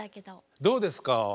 どうですか？